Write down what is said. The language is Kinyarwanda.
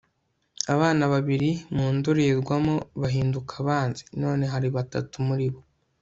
abana babiri mu ndorerwamo bahinduka abanzi none hari batatu muri bo